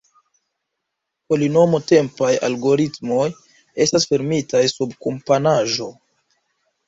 Polinomo-tempaj algoritmoj estas fermitaj sub komponaĵo.